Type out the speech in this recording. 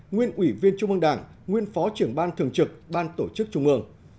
nguyên ủy viên trung ương đảng nguyên phó trưởng ban thường trực ban tổ chức trung ương